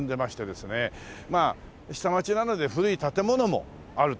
まあ下町なので古い建物もあるという。